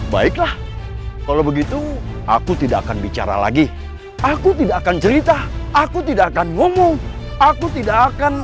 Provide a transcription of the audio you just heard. baiklah kalau begitu aku tidak akan bicara lagi aku tidak akan cerita aku tidak akan ngomong aku tidak akan